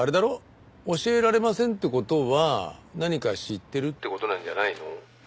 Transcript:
教えられませんって事は何か知ってるって事なんじゃないの？